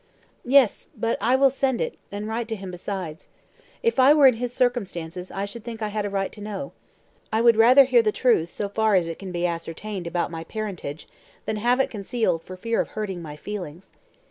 "Yes; but I will send it, and write to him besides. If I were in his circumstances I should think I had a right to know. I would rather hear the truth so far as it can be ascertained about my parentage, than have it concealed for fear of hurting my feelings.